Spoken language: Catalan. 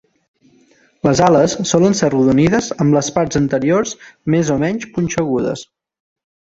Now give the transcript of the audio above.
Les ales solen ser arrodonides amb les parts anteriors més o menys punxegudes.